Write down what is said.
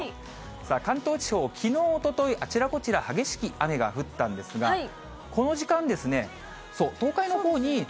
さあ、関東地方、きのう、おととい、あちらこちら激しい雨が降ったんですが、この時間ですね、東北地方と。